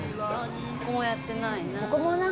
ここもやってないな。